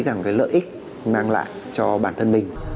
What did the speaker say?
và cũng thấy là một cái lợi ích mang lại cho bản thân mình